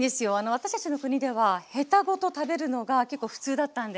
私たちの国ではヘタごと食べるのが結構普通だったんです。